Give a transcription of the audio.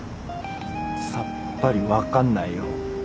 さっぱり分かんないよ。